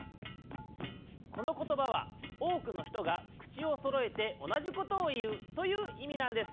このことばはおおくのひとが口をそろえて同じことをいうといういみなんです。